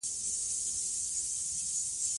د جامع نظام، فرعي نظامونه څيړي.